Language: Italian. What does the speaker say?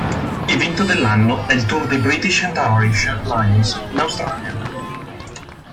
Evento dell'anno è il Tour dei British and Irish Lions in Australia.